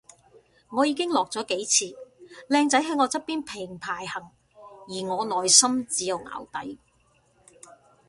我已經落咗幾次，靚仔喺我側邊平排行而我內心只有淆底